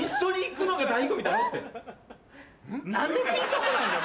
何でピンと来ないんだよ！